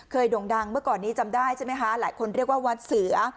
โด่งดังเมื่อก่อนนี้จำได้ใช่ไหมคะหลายคนเรียกว่าวัดเสือ